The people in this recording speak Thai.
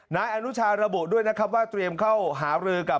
นายอนุชาระบุด้วยนะครับว่าเตรียมเข้าหารือกับ